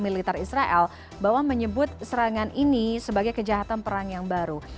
militer israel bahwa menyebut serangan ini sebagai kejahatan perang yang baru